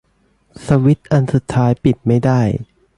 สวิตซ์อันสุดท้ายปิดไม่ได้